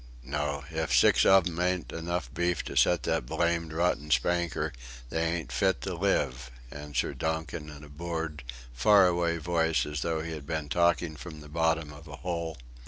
"No. If six ov 'em ain't 'nough beef to set that blamed, rotten spanker, they ain't fit to live," answered Donkin in a bored, far away voice, as though he had been talking from the bottom of a hole.